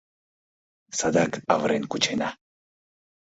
Садак авырен кучена.